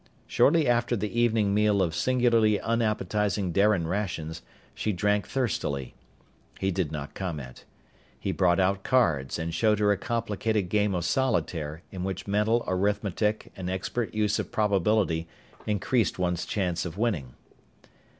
Shortly after the evening meal of singularly unappetizing Darian rations, she drank thirstily. He did not comment. He brought out cards and showed her a complicated game of solitaire in which mental arithmetic and expert use of probability increased one's chance of winning.